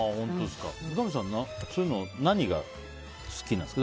三上さん、そういうのは何が好きなんですか？